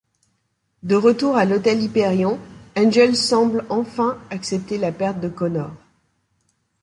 De retour à l'hôtel Hyperion, Angel semble enfin accepter la perte de Connor.